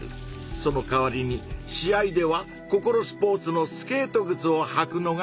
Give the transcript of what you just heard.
そのかわりに試合ではココロスポーツのスケートぐつをはくのが約束だ。